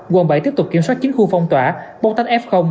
quận bảy tiếp tục kiểm soát chính khu phong tỏa bốc tách f